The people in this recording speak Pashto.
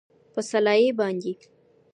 په سلايي باندي